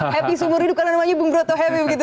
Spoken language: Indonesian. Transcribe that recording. happy seumur hidup karena namanya bung broto happy begitu